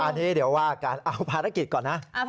อันนี้เดี๋ยวว่ากันเอาภารกิจก่อนนะ